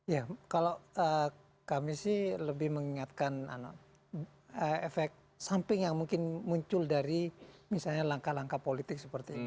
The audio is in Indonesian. ya kalau kami sih lebih mengingatkan efek samping yang mungkin muncul dari misalnya langkah langkah politik seperti ini